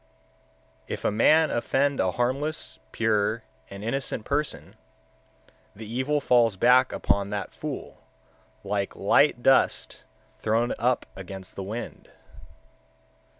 125. If a man offend a harmless, pure, and innocent person, the evil falls back upon that fool, like light dust thrown up against the wind.